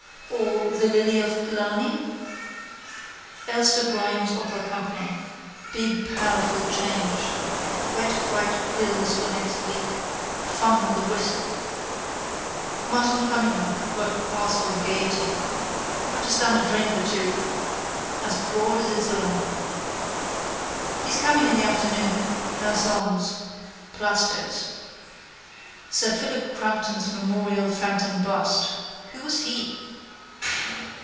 Or the Lily of Killarney? Elster Grimes Opera Company. Big powerful change. Wet bright bills for next week. Fun on the Bristol. Martin Cunningham could work a pass for the Gaiety. Have to stand a drink or two. As broad as it's long. He's coming in the afternoon. Her songs. Plasto's. Sir Philip Crampton's memorial fountain bust. Who was he?